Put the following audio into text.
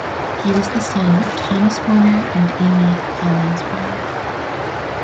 He was the son of Thomas Warner and Amy (Collins) Warner.